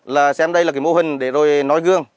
là xem đây là cái mô hình để rồi nói gương